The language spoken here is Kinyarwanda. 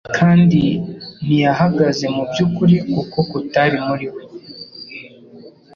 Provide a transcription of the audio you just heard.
kandi ntiyahagaze mu by'ukuri, kuko kutari muri we ....